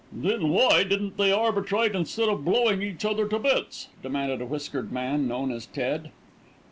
"Then why don't they arbitrate instead of blowin' each other to bits?" demanded a whiskered man known as Ted.